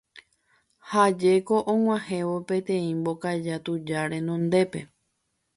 Ha jeko og̃uahẽvo peteĩ mbokaja tuja renondépe.